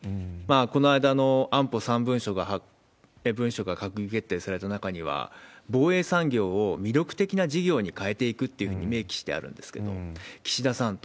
この間の安保３文書が閣議決定された中には、防衛産業を魅力的な事業に変えていくっていうふうに明記してあるんですけれども、岸田さんと。